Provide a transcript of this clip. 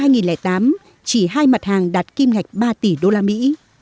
năm hai nghìn tám chỉ hai mặt hàng đạt kim ngạch ba tỷ đô la mỹ